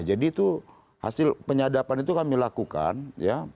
jadi itu hasil penyadapan itu kami lakukan ya